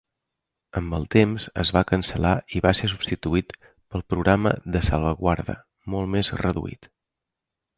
Amb el temps, es va cancel·lar i va ser substituït pel Programa de Salvaguarda, molt més reduït.